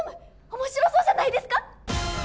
面白そうじゃないですか？